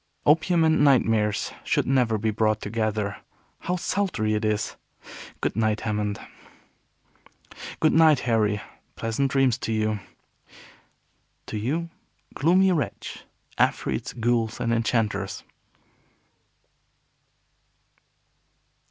Opium and nightmares should never be brought together. How sultry it is! Good night, Hammond." "Good night, Harry. Pleasant dreams to you." "To you, gloomy wretch, afreets, ghouls, and enchanters."